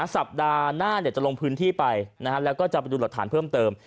สัปดาห์หน้าจะลงพื้นที่ไปแล้วก็จะไปดูหลักฐานเพิ่มเติม